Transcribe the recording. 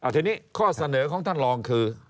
ทีนี้ข้อเสนอของท่านรองคือ